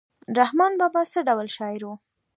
رحمان بابا څه ډول شاعر و؟